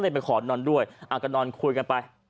ไปขอนอนด้วยก็นอนคุยกันไป